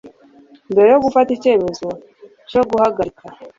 Mbere yo gufata icyemezo cyo guhagarika